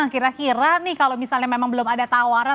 kira kira nih kalau misalnya memang belum ada tawaran